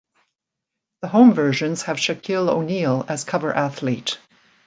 The home versions have Shaquille O'Neal as cover athlete.